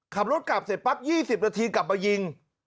ขับรถกลับเสร็จปั๊บ๒๐นาทีกลับมายิง